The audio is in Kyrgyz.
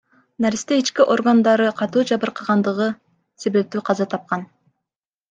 Наристе ички органдары катуу жабыркагандыгы себептүү каза тапкан.